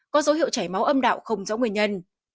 có dấu hiệu chảy máu âm đạo không giống người nhân